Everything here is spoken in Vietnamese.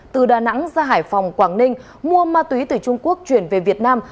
từ đà nẵng ra hải phòng quảng ninh mua ma túy từ trung quốc chuyển về việt nam